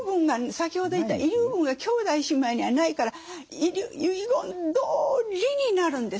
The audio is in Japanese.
先ほど言った遺留分が兄弟姉妹にはないから遺言どおりになるんです。